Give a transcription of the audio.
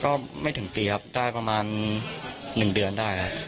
ก็ไม่ถึงปีครับได้ประมาณ๑เดือนได้ครับ